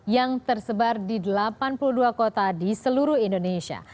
yang tersebar di delapan puluh dua kota di seluruh indonesia